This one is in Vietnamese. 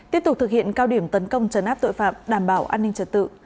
tiếp tục thực hiện cao điểm tấn công trấn áp tội phạm đảm bảo an ninh trật tự